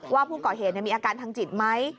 ว่าผู้ก่อเหตุมีอาการทางจิตไหม